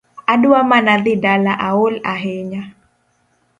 Adwa mana dhii dala aol ahinya